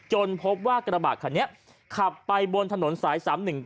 พบว่ากระบะคันนี้ขับไปบนถนนสาย๓๑๙